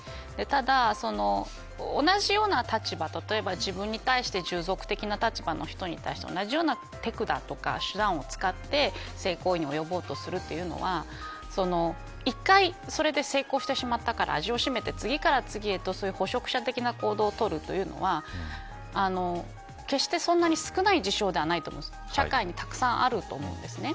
ただ、同じような立場例えば自分に対して従属的な立場の人に対して同じような手管とか手段を使って性行為に及ぼうとするというのは１回それで成功してしまったから味をしめて次から次へと捕食者的な行動をとるというのは決してそんなに少ない事象ではないと思うんです。